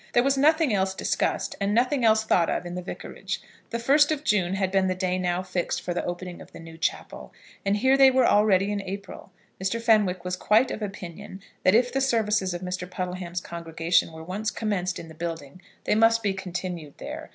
There was nothing else discussed and nothing else thought of in the Vicarage. The first of June had been the day now fixed for the opening of the new chapel, and here they were already in April. Mr. Fenwick was quite of opinion that if the services of Mr. Puddleham's congregation were once commenced in the building they must be continued there.